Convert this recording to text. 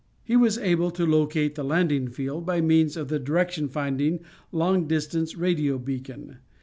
He was able to locate the landing field by means of the direction finding long distance radio beacon.